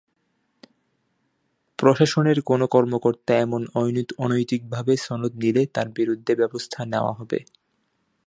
প্রশাসনের কোনো কর্মকর্তা এমন অনৈতিকভাবে সনদ নিলে তাঁর বিরুদ্ধে ব্যবস্থা নেওয়া হবে।